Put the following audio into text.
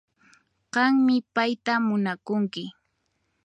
Qanmi payta munakunki